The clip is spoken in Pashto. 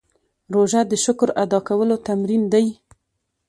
روژه د شکر ادا کولو تمرین دی.